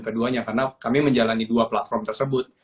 keduanya karena kami menjalani dua platform tersebut